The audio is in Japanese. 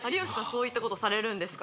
そういったことされるんですか？